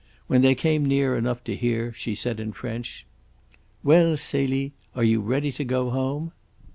When they came near enough to hear she said in French: "Well, Celie, are you ready to go home?"